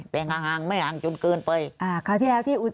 แต่ฮงจนเคิร์นไป